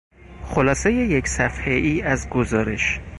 خلاصهی یک صفحهای از گزارش